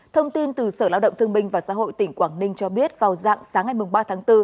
thông tin từ sở lao động thương binh và xã hội tỉnh quảng ninh cho biết vào dạng sáng ngày ba tháng bốn